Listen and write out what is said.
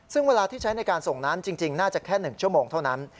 ซึ่งเวลาที่ใช้ในการส่งน้ำจริงน่าจะแค่๑ชั่วโมงเท่านั้น